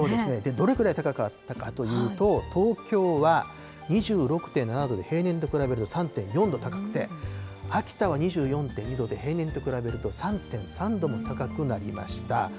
どれぐらい高かったかというと、東京は２６．７度で、平年と比べると３．４度高くて、秋田は２４．２度で平年と比べると３．３度も高くなりました。